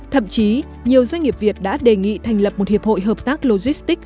thậm chí nhiều doanh nghiệp việt đã đề nghị thành lập một hiệp hội hợp tác logistics